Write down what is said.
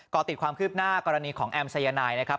ก็ติดความคืบหน้ากรณีของแอมสายนายนะครับ